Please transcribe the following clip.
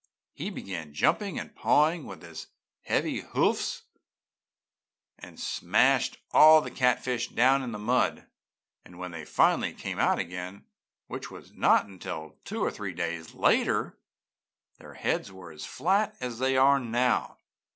"He began jumping and pawing with his heavy hoofs, and smashed all the catfish down in the mud and when they finally came out again, which was not until two or three days later, their heads were as flat as they are now!